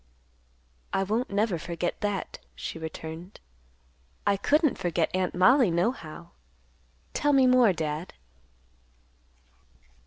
"I won't never forget that," she returned. "I couldn't forget Aunt Mollie, nohow. Tell me more, Dad."